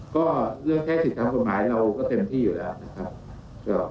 ก็เรื่องแค่สิทธิ์ตามกฎหมายเราก็เต็มที่อยู่แล้วนะครับ